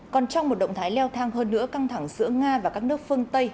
còn trong một động thái leo thang hơn nữa căng thẳng giữa nga và các nước phương tây